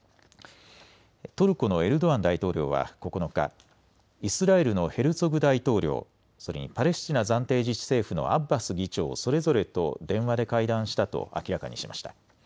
トルコのエルドアン大統領は９日、イスラエルのヘルツォグ大統領、それにパレスチナ暫定自治政府のアッバス議長、それぞれと電話で会談したと明らかにしました。